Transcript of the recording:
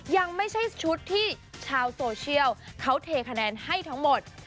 ยังไม่ใช่ชุดที่ชาวโซเชียลเขาเทคะแนนให้ทั้งหมด